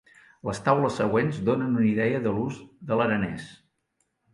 Les taules següents donen una idea de l'ús de l'aranès.